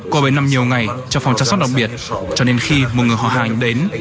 cô bé nằm nhiều ngày trong phòng chăm sóc đặc biệt cho đến khi một người họ hàng đến